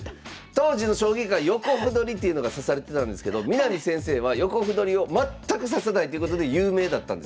当時の将棋界横歩取りというのが指されてたんですけど南先生は横歩取りを全く指さないということで有名だったんですよ。